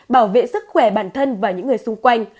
bảo vệ sức khỏe bản thân và những người xung quanh